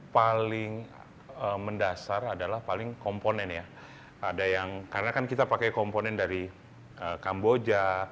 paling mendasar adalah paling komponen ya ada yang karena kan kita pakai komponen dari kamboja